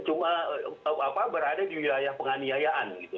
cuma berada di wilayah penganiayaan gitu